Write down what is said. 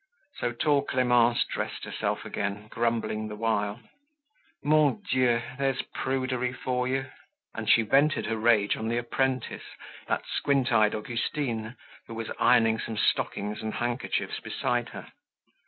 So tall Clemence dressed herself again, grumbling the while. "Mon Dieu! There's prudery for you." And she vented her rage on the apprentice, that squint eyed Augustine who was ironing some stockings and handkerchiefs beside her.